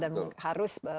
dan harus setiap sepesen